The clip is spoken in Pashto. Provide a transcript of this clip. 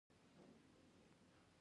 د خوست په تڼیو کې د مسو نښې شته.